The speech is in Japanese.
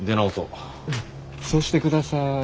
うんそうしてください。